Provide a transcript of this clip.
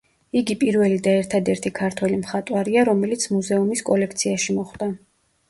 იგი პირველი და ერთადერთი ქართველი მხატვარია, რომელიც მუზეუმის კოლექციაში მოხვდა.